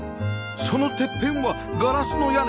そのてっぺんはガラスの屋根